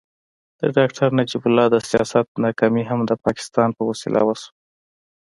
د ډاکټر نجیب الله د سیاست ناکامي هم د پاکستان په وسیله وشوه.